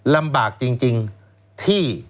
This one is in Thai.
ลำบากจริงที่